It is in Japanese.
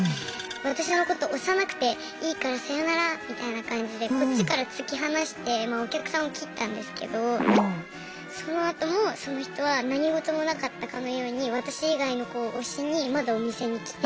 私のこと推さなくていいからさよならみたいな感じでこっちから突き放してお客さんを切ったんですけどそのあともその人は何事もなかったかのように私以外の子を推しにまだお店に来て。